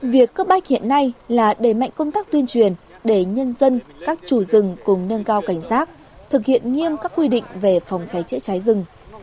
việc cấp bách hiện nay là đẩy mạnh công tác tuyên truyền để nhân dân các chủ rừng cùng nâng cao cảnh giác thực hiện nghiêm các quy định về phòng cháy chữa cháy rừng